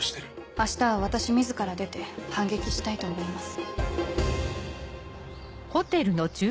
明日は私自ら出て反撃したいと思います。